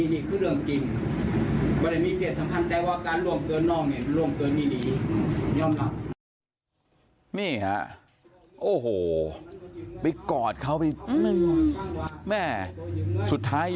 นี่คือเรื่องจริงว่าได้มีเพศสัมพันธ์แต่ว่าการล่วงเกินน้องเนี่ย